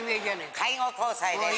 介護交際です。